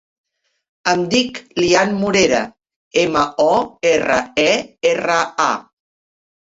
Em dic Liam Morera: ema, o, erra, e, erra, a.